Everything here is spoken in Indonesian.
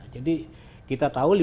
jadi kita tahu